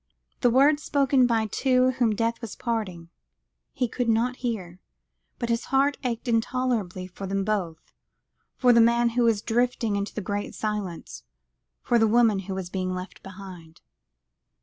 The words spoken by the two whom death was parting, he could not hear, but his heart ached intolerably for them both, for the man who was drifting into the Great Silence, for the woman who was being left behind.